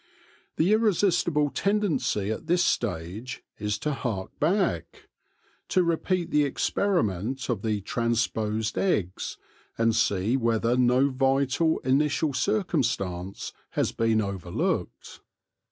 The irre sistible tendency at this stage is to hark back ; to repeat the experiment of the transposed eggs, and see whether no vital, initial circumstance has been overlooked.